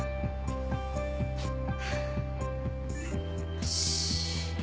よし。